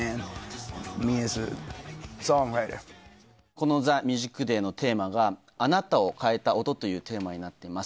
このＴＨＥＭＵＳＩＣＤＡＹのテーマが、あなたを変えた音というテーマになっています。